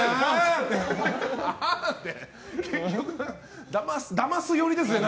結局、だます寄りですね。